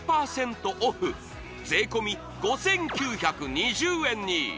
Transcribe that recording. オフ税込５９２０円に！